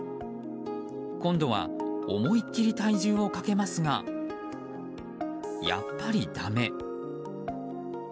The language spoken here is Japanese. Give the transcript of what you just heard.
今度は、思いっきり体重をかけますがやっぱりだめ。